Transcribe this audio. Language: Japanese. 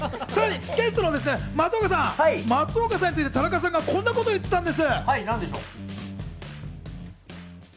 ゲストの松岡さん、松岡さんについて田中さんがこんなこと言っていたんです。